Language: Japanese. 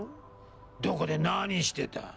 どこで何してた？